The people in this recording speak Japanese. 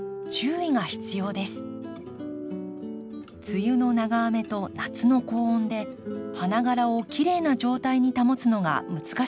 梅雨の長雨と夏の高温で花がらをきれいな状態に保つのが難しいのです。